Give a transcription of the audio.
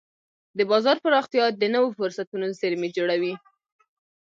د بازار پراختیا د نوو فرصتونو زېرمې جوړوي.